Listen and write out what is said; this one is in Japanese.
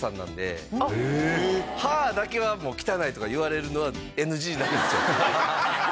歯だけは「汚い」とか言われるのはＮＧなんですよ。